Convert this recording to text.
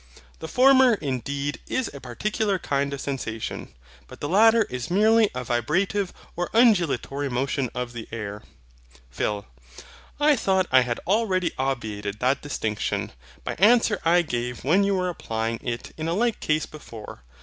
The former, indeed, is a particular kind of sensation, but the latter is merely a vibrative or undulatory motion the air. PHIL. I thought I had already obviated that distinction, by answer I gave when you were applying it in a like case before.